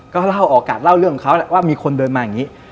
ก็เล่าออกาศเล่าเรื่องของเขา